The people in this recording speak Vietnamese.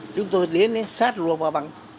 chúng tôi đến sát ruộng vào băng